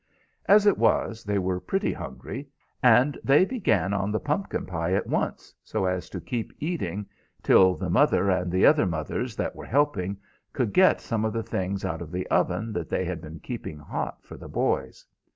As it was, they were pretty hungry, and they began on the pumpkin pie at once, so as to keep eating till the mother and the other mothers that were helping could get some of the things out of the oven that they had been keeping hot for the boys.